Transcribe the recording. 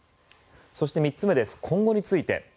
そして３つ目です今後について。